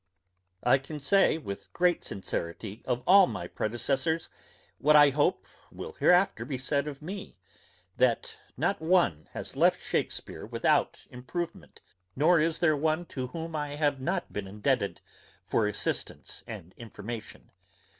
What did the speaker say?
I can say with great sincerity of all my predecessors, what I hope will hereafter be said of me, that not one has left Shakespeare without improvement, nor is there one to whom I have not been indebted for assistance and information.